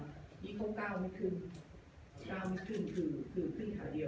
ยิ่งเขาก้าวไม่ขึ้นก้าวไม่ขึ้นคือขึ้นหาเดียว